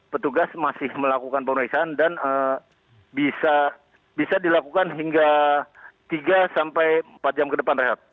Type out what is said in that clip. petugas masih melakukan pemeriksaan dan bisa dilakukan hingga tiga sampai empat jam ke depan rehat